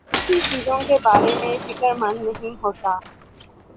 ماضی کی چیزوں کے بارے میں فکر مند نہیں ہوتا